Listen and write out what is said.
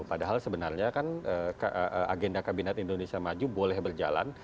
padahal sebenarnya kan agenda kabinet indonesia maju boleh berjalan